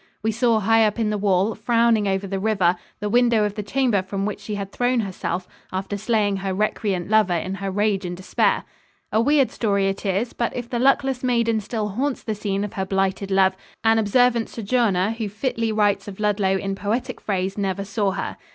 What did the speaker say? We saw high up in the wall, frowning over the river, the window of the chamber from which she had thrown herself after slaying her recreant lover in her rage and despair. A weird story it is, but if the luckless maiden still haunts the scene of her blighted love, an observant sojourner who fitly writes of Ludlow in poetic phrase never saw her.